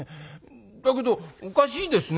だけどおかしいですね。